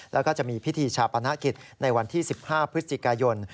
แล้วก็จะมีพิธีชาปนกิจในวันที่๑๕พฤศจิกายน